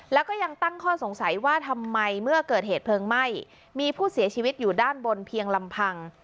แล้วก็ยังตั้งข้อสงสัยว่าทำไมเมื่อเกิดเหตุเพลิงไหม้มีผู้เสียชีวิตอยู่ด้านบนเพียงลำพัง